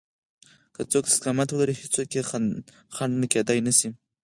که څوک استقامت ولري هېڅوک يې خنډ کېدای نشي.